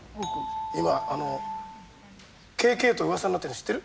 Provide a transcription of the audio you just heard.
今Ｋ・Ｋと噂になってるの知ってる？